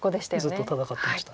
ずっと戦ってました。